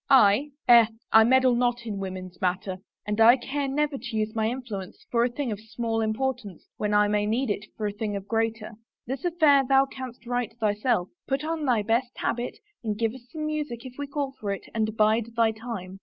" I ? Eh, I meddle not in women's matter ! And I care never to use my influence for a thing of small im portance when I may need it for a thing of greater. This affair thou canst right, thyself. Put on thy best habit and give us some music if we call for it and bide thy time.